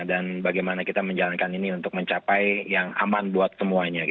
dan bagaimana kita menjalankan ini untuk mencapai yang aman buat semuanya